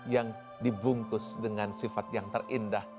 yang dibungkus dengan sifat yang terindah